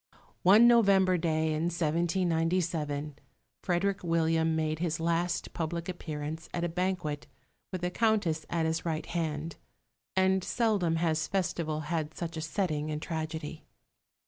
One November day in 1797 Frederick William made his last public appearance at a banquet, with the Countess at his right hand; and seldom has festival had such a setting in tragedy.